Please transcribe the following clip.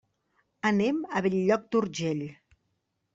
Anem a Bell-lloc d'Urgell.